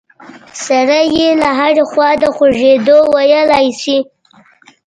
سړی یې له هرې خوا د خوږېدو ویلی شي.